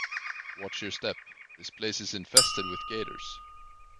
Watch your step. This place is infested with gators.